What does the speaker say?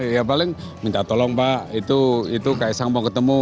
ya paling minta tolong pak itu kaisang mau ketemu